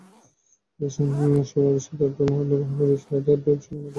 এতে সিদ্ধান্ত হয়, বালুমহালের ইজারাদারেরা তাঁদের সীমানার বাইরে টোকেন দিতে পারবেন না।